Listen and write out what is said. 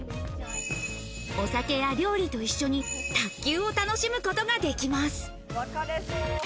お酒や料理と一緒に、卓球を楽しむことができます。